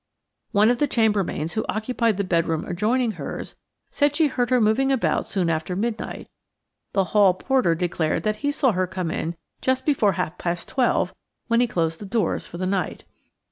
One of the chambermaids who occupied the bedroom adjoining hers, said she heard her moving about soon after midnight; the hall porter declared that he saw her come in just before half past twelve when he closed the doors for the night.